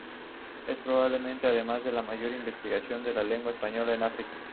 Es probablemente, además, el mayor investigador de la lengua española en África.